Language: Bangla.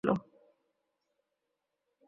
একটা রাত্রি সে তো নন্দপুরেই কাটাইয়া আসিল।